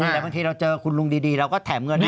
แต่บางทีเราเจอคุณลุงดีเราก็แถมเงินให้